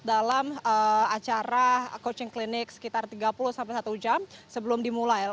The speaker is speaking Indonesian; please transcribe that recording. dalam acara coaching clinik sekitar tiga puluh sampai satu jam sebelum dimulai